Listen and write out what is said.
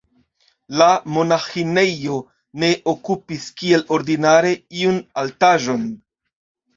La monaĥinejo ne okupis, kiel ordinare, iun altaĵon.